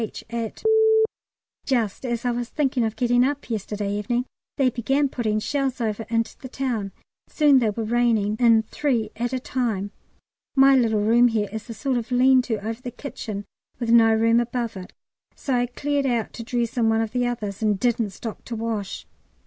H., at . Just as I was thinking of getting up yesterday evening they began putting shells over into the town, and soon they were raining in three at a time. My little room here is a sort of lean to over the kitchen with no room above it; so I cleared out to dress in one of the others, and didn't stop to wash.